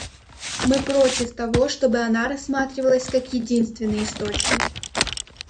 Мы против того, чтобы она рассматривалась как единственный источник.